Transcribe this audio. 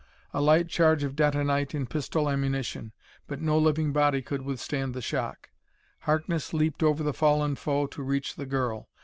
A light charge of detonite in pistol ammunition but no living body could withstand the shock. Harkness leaped over the fallen foe to reach the girl.